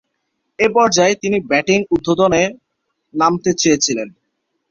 এ পর্যায়ে তিনি ব্যাটিং উদ্বোধনে নামতে চেয়েছিলেন।